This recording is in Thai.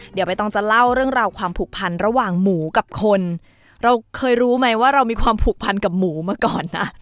เดี๋ยวใบตองจะเล่าเรื่องราวความผูกพันระหว่างหมูกับคนเราเคยรู้ไหมว่าเรามีความผูกพันกับหมูมาก่อนนะ